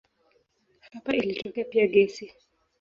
Hapa ilitokea pia gesi.